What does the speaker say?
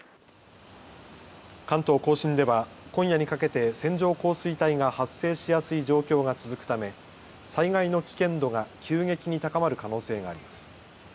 関東甲信では今夜にかけて線状降水帯が発生しやすい状況が続くため災害の危険度が急激に高まる可能性があります。